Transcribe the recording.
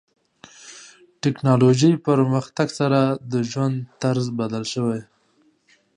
ټکنالوژي پرمختګ سره د ژوند طرز بدل شوی.